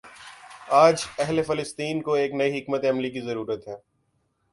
آج اہل فلسطین کو ایک نئی حکمت عملی کی ضرورت ہے۔